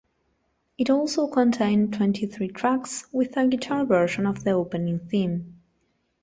It also contained twenty-three tracks with a guitar version of the opening theme.